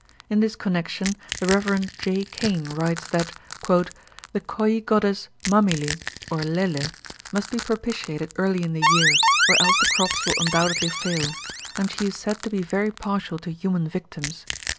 In this connection, the Rev. J. Cain writes that "the Koyi goddess Mamili or Lele must be propitiated early in the year, or else the crops will undoubtedly fail; and she is said to be very partial to human victims.